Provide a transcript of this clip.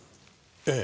ええ。